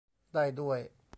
ได้ด้วย